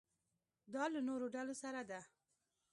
دا له نورو ډلو سره ده.